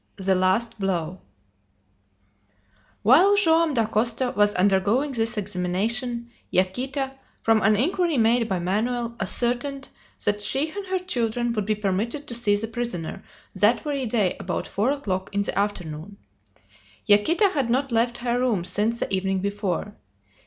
THE LAST BLOW While Joam Dacosta was undergoing this examination, Yaquita, from an inquiry made by Manoel, ascertained that she and her children would be permitted to see the prisoner that very day about four o'clock in the afternoon. Yaquita had not left her room since the evening before.